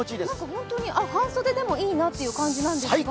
本当に半袖でもいいなという感じなんですけど。